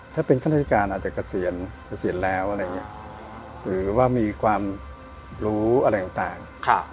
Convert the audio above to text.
ถ้าเป็นข้าราชการอาจจะเกษียณแล้วหรือว่ามีความรู้อะไรต่าง